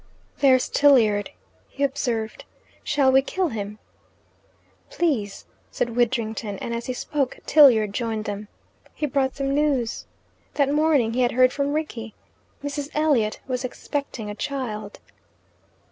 "There's Tilliard," he observed. "Shall we kill him?" "Please," said Widdrington, and as he spoke Tilliard joined them. He brought them news. That morning he had heard from Rickie: Mrs. Elliot was expecting a child.